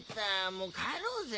もう帰ろうぜ。